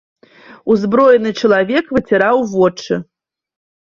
Узброены чалавек выціраў вочы.